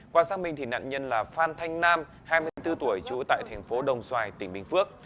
qua xác minh nạn nhân là phan thanh nam hai mươi bốn tuổi trú tại thành phố đồng xoài tỉnh bình phước